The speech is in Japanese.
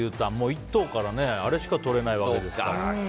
１頭からあれしかとれないわけですから。